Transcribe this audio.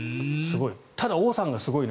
すごい。